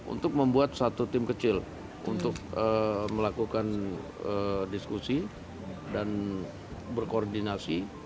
untuk membuat satu tim kecil untuk melakukan diskusi dan berkoordinasi